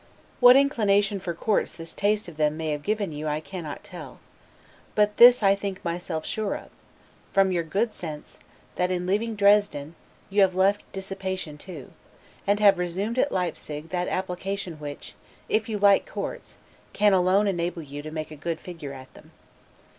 What inclination for courts this taste of them may have given you, I cannot tell; but this I think myself sure of, from your good sense, that in leaving Dresden, you have left dissipation too; and have resumed at Leipsig that application which, if you like courts, can alone enable you to make a good figure at them.